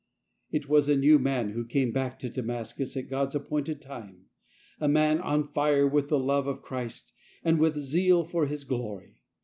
js It was a new man who came back to Damas |i cus at God's appointed time, a man on fire i; with the love of Christ and with zeal for His glory.